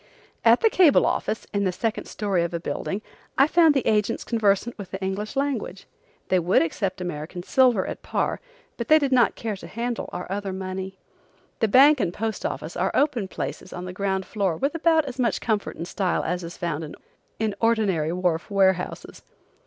At the cable office, in the second story of a building, I found the agents conversant with the English language. They would accept American silver at par, but they did not care to handle our other money. The bank and post office are open places on the ground floor with about as much comfort and style as is found in ordinary wharf warehouses.